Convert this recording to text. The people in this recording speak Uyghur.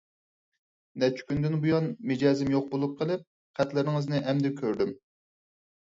نەچچە كۈندىن بۇيان مىجەزىم يوق بولۇپ قېلىپ خەتلىرىڭىزنى ئەمدى كۆردۈم.